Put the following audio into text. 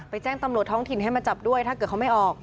แจ้งตำรวจท้องถิ่นให้มาจับด้วยถ้าเกิดเขาไม่ออก